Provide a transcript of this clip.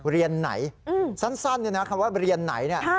เรียนไหนสั้นคำว่าเรียนไหนเนี่ย